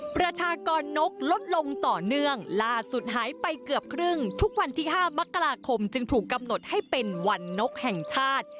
ประชากรนกลดลงต่อเนื่องล่าสุดหายไปเกือบครึ่งทุกวันที่๕มกราคมจึงถูกกำหนดให้เป็นวันนกแห่งชาติ